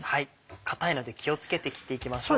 硬いので気を付けて切っていきましょう。